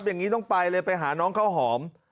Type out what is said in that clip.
อย่างนี้ต้องไปเลยไปหาน้องข้าวหอม